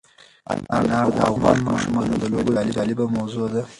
انار د افغان ماشومانو د لوبو یوه جالبه موضوع ده.